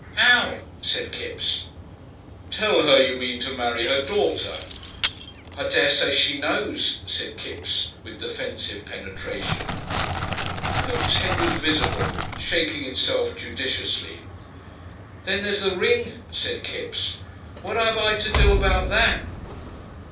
"'Ow?" said Kipps. "Tell her you mean to marry her daughter." "I dessay she knows," said Kipps, with defensive penetration. Coote's head was visible, shaking itself judiciously. "Then there's the ring," said Kipps. "What 'ave I to do about that?"